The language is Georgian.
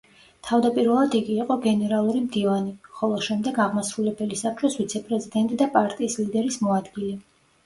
თავდაპირველად იგი იყო გენერალური მდივანი, ხოლო შემდეგ აღმასრულებელი საბჭოს ვიცე-პრეზიდენტი და პარტიის ლიდერის მოადგილე.